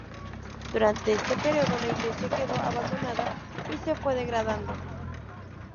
Durante este período la iglesia quedó abandonada y se fue degradando.